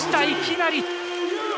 いきなり！